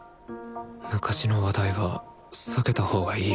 昔の話題は避けたほうがいいよ